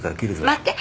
待って。